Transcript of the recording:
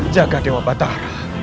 jaga dewa batara